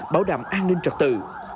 bảo đảm an ninh trật tự